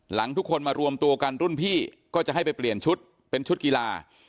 ทุกคนมารวมตัวกันรุ่นพี่ก็จะให้ไปเปลี่ยนชุดเป็นชุดกีฬา